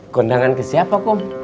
ke kondangan ke siapa